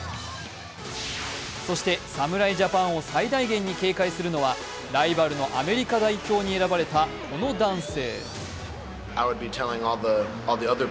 そして侍ジャパンを最大限に警戒するのはライバルのアメリカ代表に選ばれたこの男性。